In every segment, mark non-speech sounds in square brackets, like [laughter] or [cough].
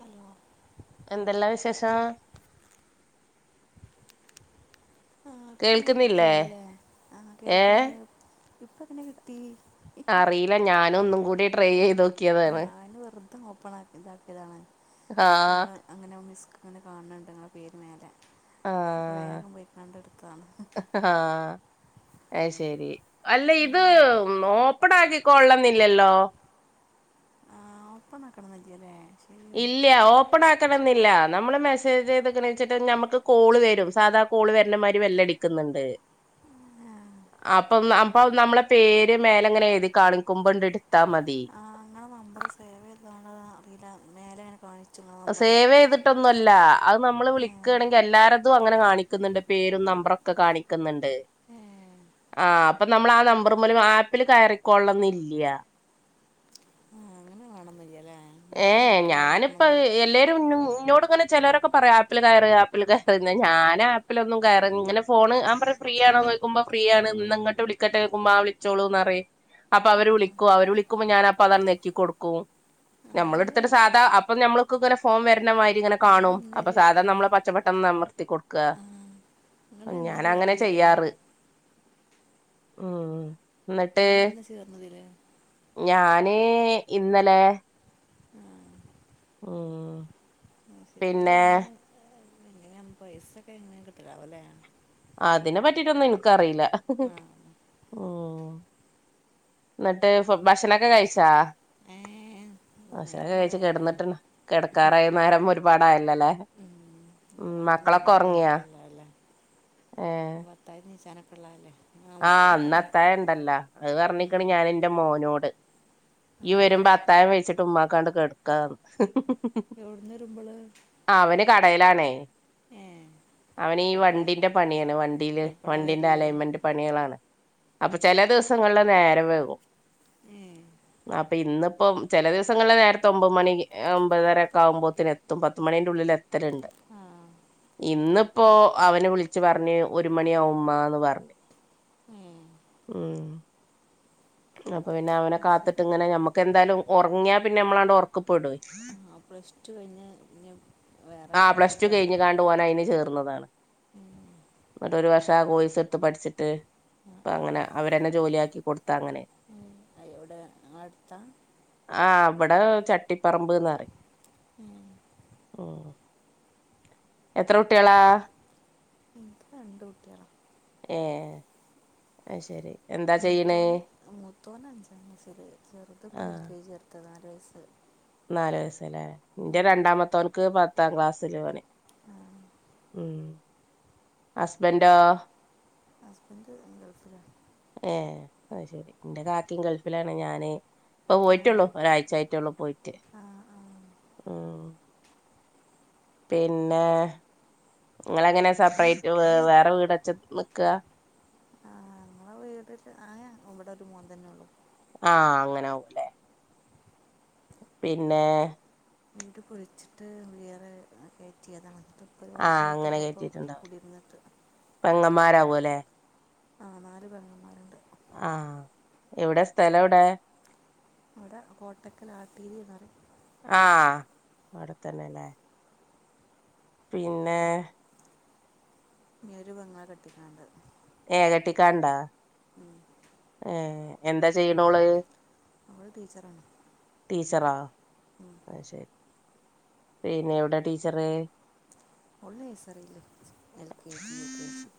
Hello [inaudible] എന്തെല്ലാം വിശേഷം ആ ഇപ്പ എങ്ങനെ കേൾക്കുന്നില്ലേ കിട്ടിയാവല്ലേ ആ ഏ കേൾക്കണ്ട് ഇപ്പ എങ്ങനെ കിട്ടി അറിയില്ല ഞാന ഒന്നും കൂടി ട്രൈ ചെയ്ത് നോക്കിയതാണ് വ്രദ്ധം ഓപ്പൺ ആി ഇതാക്കിയതാണ് അപ്പം ആഹ് നിങ്ങൾ അങ്ങനെ മിസ് അങ്ങനെ കാണുന്നുണ്ട് നിങ്ങളുടെ പേര് മലെമതി ആ ആ അ ശരി അല്ല ഇത് ഓപ്പൺ ആാക്കി കൊള്ളുന്നില്ലല്ലോ ഇപ്പം നടക്കണുന്നില്ലേ അല്ലേ ഇല്ല ഓപ്പൺ ആക്കണ എന്നില്ല നമ്മള് മെസ്സേജ് ചെയ്തക്ക വെച്ചിട്ട് നഞമ്മക്ക് കോള് വരും സാധാ കോള് വരണ്ടമാര് വെല്ലം അടിക്കുന്നുണ്ട് [inaudible] അപ്പൊ അപ്പൊ നമ്മളെ പേര് മേലെങ്ങനെ എഴുതി കാണിക്കുമ്പോണ്ട് എടുത്താ മതി ആ നിങ്ങളെ മേലങ്ങനെണിച്ചു സേവ ചെയ്തിട്ടൊന്നും അല്ല അത് നമ്മള് ഏ വിളിക്കയാണെങ്കിൽ എല്ലാരുംതും അങ്ങനെ കാണിക്കുന്നുണ്ട് പേരും നമ്പറൊക്കെ കാണിക്കുന്നുണ്ട് ഏ ആ അപ്പൊ നമ്മൾ ആ നമ്പർ മൂലം ആപ്പിൽ കയറിക്കൊള്ളന്നല്ലയ ആ അങ്ങനെ വേണമെന്നില്ലല്ലേ എൻ്റെ ഏ കറ അയക്ക് ഞാനിപ്പ കയറണമെന്നാണ് എല്ലാവരും ഇോട് ഇങ്ങനെ ചിലരൊക്കെ പറയാ ആപ്പിള് കയറ് ആപ്പിള് കയ പി ഞാൻ ആപ്പിലൊന്ന കയറ ഇങ്ങെ ഫോൺ പറ ഫ്രീ ആണോക്കുമ്പോ ഫ്രീ ആണ് ഇന്ന്ങ്ങോട്ട് വിളിക്കട്ടെ വക്കുമ്പോ ്മാ വിളിച്ചോളൂന്ന് അപ്പൊ അവര് വിളിക്കുവ അവര് വിളിക്കുമ്പോ ഞാനൻ അൊ അത നക്കി കൊടുക്കും നിങ്ങൾ നമ്മളെടുത്തിട്ട് സാധാ അപ്പൊ നമ്മക്ക ഇങ്ങെ ഫോ വരണമായി ഇങ്ങനെ നിങ്ങൾ കാണും എന്നെ അപ്പൊ സാധാരണ ചേർ നമ്മള് പച്ച പെട്ടെന്ന് ന വർത്തി കൊടുക്കുക ആ നിങ്ങൾ എന്നാ ഞാന അങ്ങനെ ചേർന്നതിൽ ചെയ്യാറ് ഉ എന്നിട്ട് നിങ്ങൾ എന്നാ ചേർന്നതിൽ ഞാൻ അന്നെ ഇന്നലെ ആ ഉം പിന്നെ എങ്ങനെയ പൈസൊക്കെ എങ്ങനെയെ കിട്ടലാവലേ അതിനെ പറ്റിട്ടൊന്നും എനക്ക്റിയില്ല ആ ഉ എന്നിട്ട് ഭക്ഷണൊക്കെ കഴിച്ചാ ഏ അപ്പോൾ നേരം മഷരൊക്കെ കുറേ കഴച്ച് ആയില്ലേ കിടന്നിട്ട കിടക്കാറായുന്നേരം ഒരുപാടായില്ലല്ലേ ഉ അപ്പം നാളെ മക്കളൊക്കെ നോമ്പൊക്കെ ഉറങ്ങിയാ നോക്കാമല്ലോ അല്ലേ ഏ പത്തായി നീ ചനക്കൊള്ളാല്ലേ ആഹ് അന്ന അത്തായ ഉണ്ടല്ല അത് ഉം. പറഞ്ഞിക്കണ ഞാൻ എൻറെ മോനോട് ആ ഈ വരുമ്പോ അത്തായം വെച്ചിട്ട് ഉമ്മാക്കാണ്ട് കെടുക്കാന്ന് എവിടന്ന് വരുമ്പോള് അവന് കടയിലാണേ അവനി ഈ എപ്പോഴാ വണ്ടിന്റെ പണിയാണ് വണ്ടിയില് എപ്പോഴാ വണ്ടിന്റെ വരല് അലൈൻമെന്റ് പണികളാണ് അപ്പൊ ചില ദിവസങ്ങള നേര വേകും ഏ അപ്പം ഇന്നിപ്പം ചില ദിവസങ്ങളിൽ നേരത്തെ ഒമ്പത് മണി ഒൻമ്പത്തര ഒക്കെ ആകുമ്പോത്തേന എത്തും പത്തുമണിൻ്റെ ഉള്ളിൽ എത്തലുണ്ട് ആഹ ഇന്നിപ്പോ അവനെ വിളിച്ച് പറഞ്ഞ് ഒരു മണിയാവ്മ്മാ പറഞ്ഞഞ് ഉം ആഹ അപ്പൊ പിന്നെ അവനെ അത് ശരി കാത്തിട്ട് ഇങ്ങനെ നമ്മക്ക്ന്തായാലും ഉറങ്ങിയാ പിന്നെ നമ്മളാണ്ട് ഉറക്ക പോട ആ പ്ലസ് ടു കഴിഞ്ഞ് ഇഞ് വേറെ ആ കി പ്ലസ് ടു തീറ്റാ കഴിഞ്ഞ് വേണ്ടിരുോ കാണ്ട് ഓൻ അയിന് [unintelligible] ചേർന്നതാണ് ഉം ഒരു വർഷം ആ കോഴ്സ് എടുത്ത് പഠിച്ചിട്ട് ആ അപ്പ ആ അങ്ങനെ അവരെന്നെ ജോലിയാക്കി കൊടുത്ത് അങ്ങനെ അടുത്ത ആ അവിടെ ചട്ടിപ്പറമ്പ്ന്ന്പറയും ഉം എത്ര കുട്ടികളാ എനിക്ക് രണ്ട് കൂട്ടികള ഏ അത് ശരി എന്താ ചെയ്യണേ മുത്തോന് മുത്തോന് അഞ്ചാം ക്ലാസ്സില് ചെറുത് ഇപ്പ എൽ ആഹ് കെ ജി ചേർത്ത് നാല് വയസ്സ് നാലല് വയസല്ലേ നിന്റെ രണ്ടാമത്തവനക്ക് പത്താം ക്ലാസ്സിൽ പഠിക്കാണ് ആഹ ഉം ഹസ്ബൻഡോ ഹസ്ബൻഡ് ഗൾഫിലാണ് ഏ അ ശരി എന്റെ കാക്കയങ്കൾ ഇല്ലാണ് ഞാന് ഇപ്പൊ ആ പോയിട്ടുള്ളു ഒരാഴ്ച ആായിട്ടുള്ളൂ പോയിട്ട് ആ ആ ഉം പിന്നെ നിങ്ങളെങ്ങനെ സെപ്പറേറ്റ് വേറെ വീട്ച്ച നിക്കുക വീട്ടട്ട് ആയാ ഇവിടെ ഒരു മൂൻ തന്നെ ഉള്ളൂ ആഹ അങ്ങനെ ആവല്ലേ പിന്നെ വീട് കുഴിച്ചിട്ട് വേറെ കയറ്റിയതാ മ ആഹ അങ്ങനെ കയറ്റിട്ടുണ്ടാവല പെങ്ങമാരാവുല്ലെ ആ നാല് പെങ്ങന്മാരുണ്ട് ആഹ എവിടെ സ്ഥലം ഇവിടൊ നവിടെ കോട്ടക്കൻ ആട്ടീരി എന്നന്ന് പറയും ആഹ അവിടെത്തന്നെല്ലേ പിന്നെ ഞ ഒരു വെങ്ങ കെട്ടിട്ടണ്ട് [unintelligible] ഏകട്ടിക്കാണ്ടാ ഏ എന്താ ചെയ്യണോള് അവൾ ടീച്ചറാണ് ടീച്ചറ ഉം. ശരി പിന്നെ എവിടെ ടീച്ചറ് ഉള്ള സറില്ല L K G U K G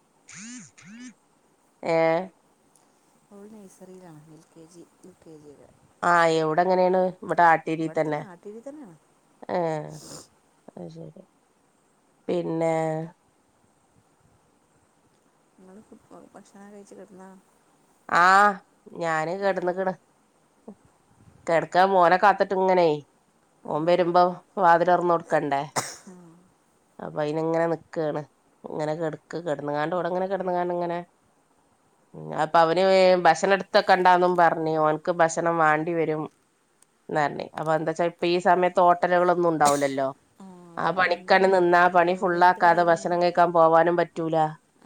[unintelligible] ഒരു നഴ്സറിയിലാണ് L K G U K ജികൾ ആ എവിടെ എങ്ങനെയാണ് മട്ടാട്ടീരി ഇവിടെ തന്നെ ആട്ടീരി തന്നെയാണ് ആഹ അ പിന്നെ നിങ്ങള് ഭക്ഷണം കഴിച്ച കിടന്നാ ആ ഞാന് ആ കെടന്ന കിണ് കിടക്ക മോനെ കാത്തിട്ട് ഇങ്ങനെ ഓൻ വരുമ്പോ വാതില ഇറന്ന് കൊടുക്കണ്ടേ അപ്പൊ അയിനി എങ്ങനെ നക്കയാണ് ഇങ്ങനെ കിടക്ക് കിടന്ന കാണ്ടോടെ ഇങ്ങനെ കിടന്ന കാ ഇങ്ങനെ അപ്പൊ അവന് ഭക്ഷണം എടുത്തൊക്കെ ഉണ്ടാന്നും പറഞ്ഞഞ് അവനക്ക് ഭക്ഷണം വാണ്ടി വരും എന്നെ അപ്പൊ എന്താ വച്ചാ ഇപ്പൊ ഈ സമയത്ത് ഹോട്ടലുകളൾൊന്നും ഉണ്ടാവലല്ലോ ആ അതന്നെ പണിക്കണെ എന്താണ് നിന്നാ പണി എവിടെ ഫുുള്ള എന്ത് ആാക്കാതെ കടയിലാണ് ഭക്ഷണം കേൾക്കാൻ പോവാനും പറ്റൂല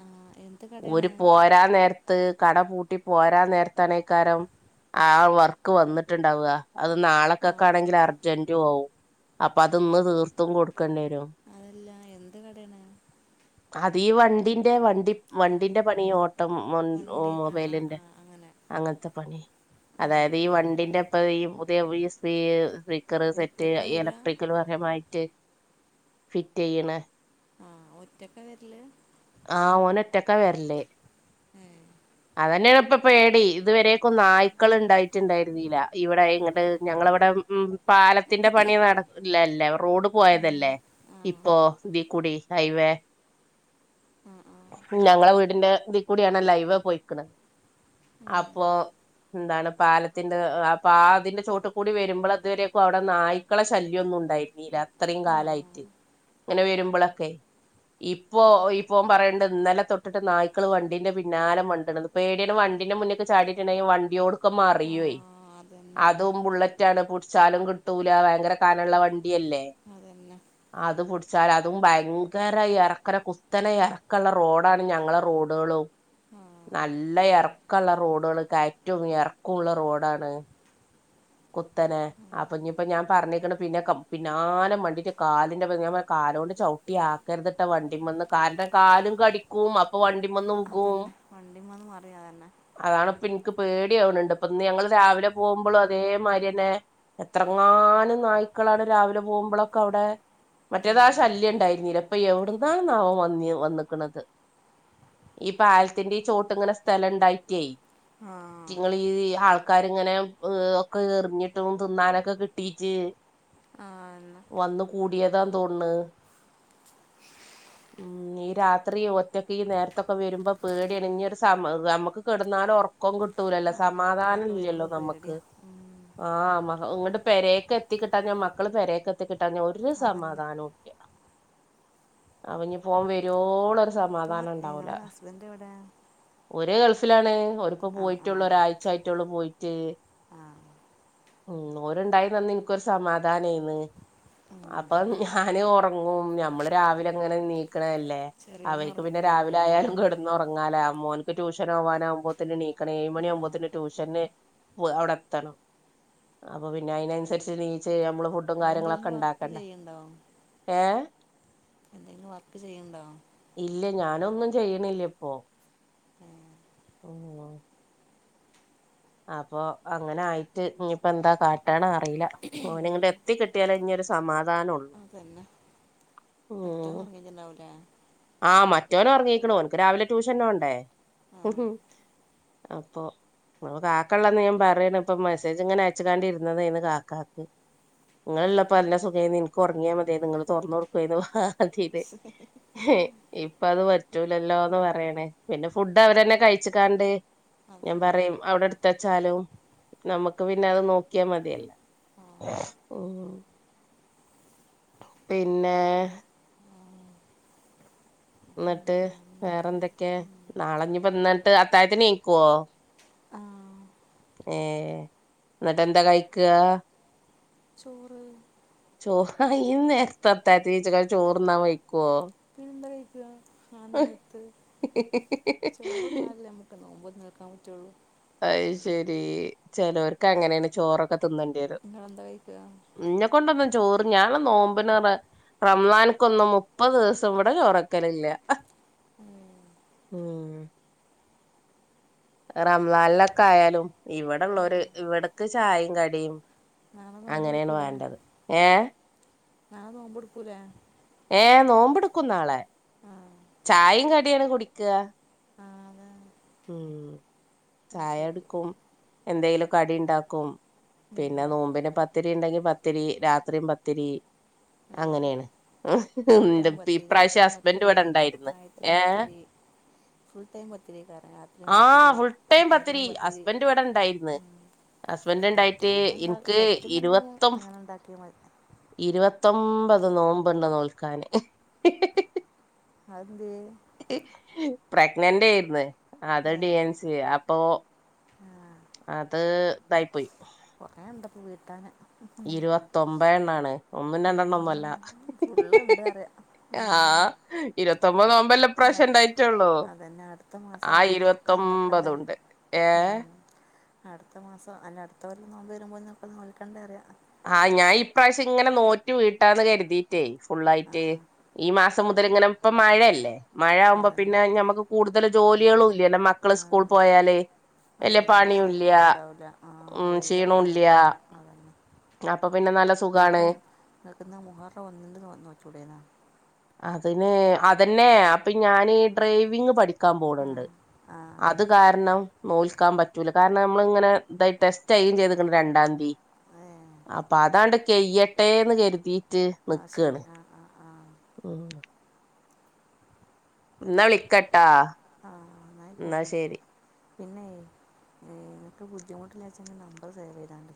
ആ എന്ത് ഊര് കടയാണ് പോരാ നേരത്ത് കട പൂട്ടി പോരാ നേരത്തണേക്കാരം ആ വർക്ക് വന്നിട്ടുണ്ടാവുക അത് ആ നാളെക്കൊക്ക ആണെങ്കിൽ അർജന്റും ആകവും അപ്പൊ ആ അതൊന്ന് തീർത്തും കൊടുക്കേണ്ടി വരും അതല്ല എന്ത് കടയാണ് അത ഈ വണ്ടിന്റെ വണ്ടി ആ വണ്ടിന്റെ പണി ഓട്ടം ഓ വണ്ടി ആ ആ മൊബൈലിന്റെ ആ അങ്ങനെ അങ്ങനത്തെ പണി ഏ അതായത് ഈ വണ്ടിന്റെപ്പ ഈ പുതിയ ഈീ ചക്കറ് അപ്പോൾ സെറ്റ് ഒറ്റക്ക വരിക ഇലക്ട്രിക്കൽ വയമായിട്ട് ഫിറ്റ് ചെയ്യണ് ഒറ്റക്കെ വരില് ആ് ഓന എത്തക്ക വരല്ലേ ഏ അതന്നെയ ഇപ്പൊ പേടി ഇതുവരെെയൊക്ക നായ്ക്കൾ ഇണ്ടായിട്ടുണ്ടായിരുന്നില്ല ഇവിടെ ഇങ്ങട്ട് ഞങ്ങളവിടെ ഉ പാലത്തിന്റെ പണി നടല്ലേ റോഡ് ആ പോയതല്ലേ ആ ഇപ്പോൊ ഇീ കുൂടി ഹൈവേ ആ ആ ആ ഞങ്ങള വീടിന്റെ ഇതി കൂടിയാണ് ലൈവ് പോയിക്കണുന്നത് അപ്പൊ എന്താണ് പാലത്തിന്റെ പതിന്റെ ചോട്ട കൂടി വരുമ്പോൾ അതുവരെയൊക്കും അവിടെ നായ്ക്കളെ ശല്യമൊന്നും ണ്ടായിുന്നീ അത്രയും കാലായിട്ട് അങ്ങനെ വരുമ്പോഴൊക്കെ ഇപ്പോൊ ഇപ്പൊ പറയണ്ട ഇന്നലെ തൊട്ടിട്ട് നായ്ക്കള് വണ്ടീന്റെ പിന്നാലെ വണ്ടി പേടിയാണ് വണ്ടിന്റെ മുന്നേക്കെ ചാടിീട്ടുണ്ടെങ്ക വണ്ടിയോടൊക്കെ ആ മറിയേ അതന്നെ അതും ബുള്ളറ്റ ആണ് പടിച്ചാലും കിട്ടൂല ഭയങ്കര കാനുള്ള വണ്ടിയല്ലേ അതന്നെ അത് പടിച്ച വച്ചാൽ അതും ഭയങ്കര ഇറക്കന കുത്തന ഇറക്കുള്ള റോഡാണ് ഞങ്ങളെ റോഡുകളും ആഹ നല്ല ഇറക്കമുള്ള റോഡുകൾ കയറ്റവും ഇറക്കമുള്ള റോഡാണ് കുത്തനെ ആ ആപ്പൊഞ്ഞിപ്പോൊ ഞാൻ പറഞ്ഞിക്ക പിന്നെ പിന്നാലും വണ്ടിട്ട കാലിന്റെ ഞാൻ ആണ്ട് ചവിട്ടി ആക്കരുതിട്ട വണ്ടി വന്ന് കാരണം കാലും കടിക്കും അപ്പൊ വണ്ടി അതന്നെ വണ്ടിമന്ന് മാറിയ അതന്നെ അതാണ് ഇപ്പ എനിക്ക് പേടിയാവണണ്ട് ഇ ഞങ്ങൾ രാവിലെ പോകുമ്പോ അതേ മരയനെ എത്രങ്ങാലും നായ്ക്കളാണ് രാവിലെ പോകുമ്പോളൊക്കെ അവിടെ മറ്റേതാശ ഉം അല്ലയ ഉണ്ടായിരുന്നീല്ലപ്പൊ എവിടുന്നാണ് നാവം വന്നി വന്നക്കണുന്നത് ഈ പാലത്തിന്റെ ഈ ചോട്ട് ഇങ്ങനെ സ്ഥലം ഉണ്ടായിട്ടായി ആ നിങ്ങീ ആൾക്കാരിങ്ങനെ ഒക്കെ എറിഞ്ഞിട്ടും തിന്നാനൊക്കെ കിട്ടീട്ട് ആ അതന്നെ വന്ന് കൂടിയതാന്ന് തോന്ന്ണ് ഉം ഈ രാത്രി ഒറ്റക്ക് ഈ നേരത്തൊക്കെ വരുമ്പോ പേടിയാണ് ഇനി ഒരു സമ നമ്മുക്ക് കിടന്നാലോ ഉറക്കം കിട്ടൂലല്ല അതന്നെ സമാധാനം ഒറ്റക്കൊക്കെ ഇല്ലല്ലോ വരുമ്പോ നമമ ക്ക് പേടിയാ ഉം ആ മ ഇങ്ങട്ട് പെരേക്ക് എത്തിക്കിട്ടാഞ്ഞാ മക്കള് പെരേക്കെത്തിക്കിട്ട ട്ട ഞ്ഞിട്ട് ഒരു അതന്നെ സമാധാനവും ഇല്ല അവനിപ്പോ ഓൻ വരൊള ഇപ്പൊ ങ്ങളെ ഹസ്ബൻഡ് എവിടെയാ ഓര് ഗൾഫിലാണ് ഓര് ഇപ്പ പോയിട്ടുള്ളൂ ഒരാഴ്ച ആയിട്ടുള്ളൂ പോയിട്ട് ആ ഉം ഓരുണ്ടായി ന്നന്ന് എനിക്കൊരു സമാധാനായിന്ന് ഉം അപ്പൊ ഞാന് ഉറങ്ങും ഞമ്മള് രാവിലെ അങ്ങനെ നീക്കണല്ലേ ചെറിയോന് അവർക്ക് പിന്നെ ഉറങ്ങിയിട്ടുണ്ടാവൂലേ രാവിലെ ആയാലും മോന് കിടന്ന് ഉറങ്ങാല മോനിക്ക് ട്യൂഷൻ ആവാനാകുമ്പോ തന്നെ എണീക്കണെ ഏഴ്‌ ആ മണി ആകുമ്പോത്തന്നെ ട്യഷന് അവിടെ അപ്പ പിന്നെ അതിനനുസരിച്ചെണീച്ച് ഞമ്മള് ഫുഡ് ഫുഡും കാര്യങ്ങളൊക്കെ അതെന്തെങ്കിലും വർക്ക് ഉണ്ടാക്കണ്ടേ ചെയ്യണ്ടോ ഏ എന്തെങ്കിലും വർക്ക് ചെയ്യന്നുണ്ടോ ഇല്ല ഞാനൊന്നും ചെയ്യണില്ല ഇപ്പോ ഏ ആണോ അപ്പൊ അങ്ങനെ ആയിട്ട് ഇനിയിപ്പോ എന്താ കാട്ടണ അറിയില്ല ഓന് ഇങ്ങട്ട് എത്തി കിട്ട് ട്ടിയാലെ ഇഞ്ഞൊരു സമാധാനം ഉള്ളു അതന്നെ [inaudible] ആ മറ്റെവൻ ഉറങ്ങീക്കണു എനിക്ക് രാവിലെ ട്യൂഷനോണ്ടേ ആ [unintelligible] കാക്കള്ളന്ന് ഞാൻ പറയണ് ഇപ്പം മെസ്സേജ് ഇങ്ങനെ അയച്ചക്കാണ്ടിര്ന്നത്ണ് കാക്കാക്ക് നിങ്ങള്ള്ളപ്പോ എന്നാ സുഖവായിനി നിക്ക് ഒറങ്ങിയാ മതിയാരുന്നു നിങ്ങള് തൊറന്ന് കൊടുക്കുവാരുന്നു ഇപ്പ അത് പറ്റൂലല്ലോന്ന് ഉം, പറയണേ പിന്നെ ഫുഡ് അവരന്നെ കഴിച്ചിക്കാണ്ട് ഞാൻ അതന്നെ പറയും അവിടെ എടുത്തച്ചാലും നമ്മക്ക് പിന്നെ അത് നോക്കിയാൽ മതിയല്ല ആ ഉം പിന്നെ ആ, എന്നിട്ട് വേറെ പിന്നെന്തൊക്കെ എന്തൊക്കെയ ഉം. നാളഞ്ഞപ്പോ എന്നിട്ട് അത്തായത്തി നീക്കുവോ ആഹ് ഏ ന്നിട്ട് എന്താ കഴിക്ക ചോറ് ചോറാ യിന്ന് നേരത്തെ [unintelligible] പിന്നെന്താ കഴിക്കുക ആ നേരത്ത് ചോറ് തിന്നാലല്ലേ നമ്മുക്ക് നോമ്പ നിൽക്കാൻ പറ്റുള്ളൂ അയ് ശെരി ചെലോര്ക്ക് അങ്ങനെയാണ് ചോറൊക്കെ ത്തിന്നണ്ടി വരും നിങ്ങളെന്താ കഴിക്കുക ൻന്നെ കൊണ്ടൊന്നും ചോറ് ഞാന നോമ്പിനേറെ റംദാനിക്കൊന്നും മുപ്പത് ദിവസം ഇവടെ ചോറക്കലില്ല ഉം. ഉം റംദാലിലൊക്കെ ആയാലും ഇവിടുള്ളൊരു ഇവിട്ക്ക് ചായേം കടിം നാളെ നോമ്പ് അങ്ങനെയാണ് എടുക്കൂലേ വേണ്ടത് ഏ [inaudible] ഏ നോമ്പെടുക്കും നാളെ ആ ചായയും കടിയാണ് കുടിക്കുക ആ അതാ ഉം അത് ചായ ശരി എടുക്കും എന്തെലും കടി ഇണ്ടാക്കും ഉം. പിന്നെ നോമ്പിന് പത്തിരി ഇണ്ടെങ്കി പത്തിരി രാത്രീം പത്തിരി ഏ അങ്ങനെയാണ് ഫുൾ ഇപ്രാവശ്യം ഹസ്ബൻന്റ് ഇവിടെ ഇണ്ടായി അത്തായത്തിനും പത്തിരി ഫുൾ ടൈം പത്തിരി [unintelligible] രാത്രിയും ആഹ് പത്തിരി ഫുൾ ടൈം പത്തിരി അത്താഴത്തിനും ഉം ഹസ്ബൻഡ് ഇവിടെ ഉണ്ടായിരുന്നു ഹസ്ബൻഡ് ഉണ്ടായിട്ട് [inaudible] എനിക്ക് പറ്റുന്നുണ്ടെങ്കിൽ ഇരുപത്തൊ അങ്ങനെ ഒണ്ടാക്കിയ മതി ഇരുപത്തൊമ്പത് നോമ്പുണ്ട് നോൽക്കാന് അതെന്ത് പ്രഗ്നന്റ് ആയിന്ന് അത് ഏ ഡി എൻ സി പ്പോ [unintelligible] ആ അത് ഇതായി പോയി കൊറെ എന്തപ്പ വീട്ടാണ് ഇരുപത്തിൊമ്പത് എണ്ണ ആാണ് ഒന്നും രണ്ടെണ്ണം ഒന്നല്ല ഫുള്ളുണ്ട് അറിയാം ആഹ ഉം. ഇ മമ്പത്മ്പല്ല ഇനി അടുത്ത പ്രാവശണ്ടായിറ്റള്ളൂ അതന്നെ അടുത്ത മാസം ആ ആകുമ്പോൾ നോക്കാൻ ഇരുപത്തൊമ്പത് നോക്കണ്ടേ ഉണ്ട് ഏ അടുത്തസം അല്ല അടുത്ത വല്ല നോമ്പ് വരുമ്പോന്നൊക്കെ നോൽക്കണ്ടേ അറിയാം ആഹ് ഞാൻ ഇപ്രാവശ്യം ഇങ്ങനെ നോറ്റി വീട്ടന്ന് കരുതിയിട്ടേ ആ ഫുുള്ളായിട്ട് ഈ മാസം മു ങ്ങനെ ഇപ്പ മഴയല്ലേ മഴ ആകുമ്പോ അതന്നെ പിന്നെ നമക്ക് കൂടുതൽ ജോലികളും ല്ല ആ മക്കള് സ്കൂൾ പോയാലേ അതന്നെ ക്ഷീണം ഉണ്ടാവൂല ആ ഉം ക്ഷീണവും വെയിലൊക്കന്ന് ഇല്ല അതന്നെ അപ്പൊ പിന്നെ നല്ല സുഖാണ് നിനക്ക് നിനക്കുന്ന മുഹറ വന്നിണ്ട് നോച്ചൂടെേന്നാ അതിന് അതന്നെ അപ്പൊ ഞാൻ ഡ്രൈവിങ് പഠിക്ക ൻ ആ പോടണ്ട് ആ അത് കാരണം നോൽക്കാൻ പറ്റൂല കാരണം നമ്മള ഇങ്ങനെ ഇതായി ടെസ്റ്റ് ആും ചെയ്തുക്കണ്ട് രണ്ടാം തീയതി ഏ അപ്പൊ അതാണ്ട് കെയ്യട്ടെന്ന് കരുതി മ ആ നക്കാണ് ശരി ആ ആ ആ ഉ എന്നാ വിളിക്കട്ടാ ആ എന്നാ എന്നായിക്കോട്ടെ ശെരി പിന്നെ നിനിക്ക് ബുദ്ധിമുട്ടില്ലച്ചെിൽ നമ്പർ സേവ് ചെയ്താണ്ട്